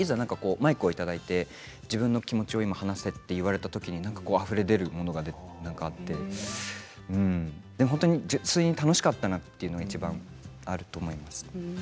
マイクをいただいて自分の話を話せとなったときにあふれ出るものがあって普通に楽しかったなというのがいちばんあると思います。